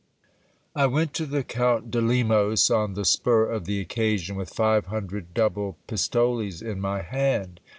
I went to the Count de Lemos on the spur, of the occasion, with five hun dred double pistoles in my hand.